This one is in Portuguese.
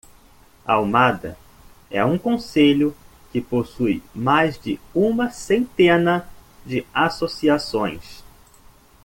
Almada é um concelho que possui mais de uma centena de associações.